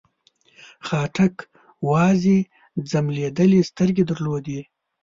خاټک وازې ځمبېدلې سترګې درلودې.